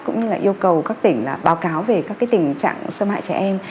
cũng như là yêu cầu các tỉnh báo cáo về các tình trạng xâm hại trẻ em